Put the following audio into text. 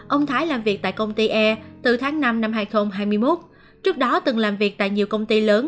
ông thái làm việc tại công ty air từ tháng năm năm hai nghìn hai mươi một trước đó từng làm việc tại nhiều công ty lớn